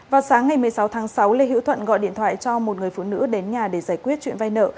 vào sáng ngày một mươi sáu tháng sáu lê hữu thuận gọi điện thoại cho một người phụ nữ đến nhà để giải quyết chuyện vay nợ